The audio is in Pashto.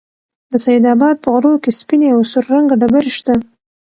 د سيدآباد په غرو كې سپينې او سور رنگه ډبرې شته